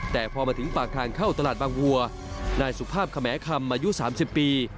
แต่พอมาถึงปากทางเข้าตลาดบางวัวนายสุภาพขมคำอายุ๓๐ปี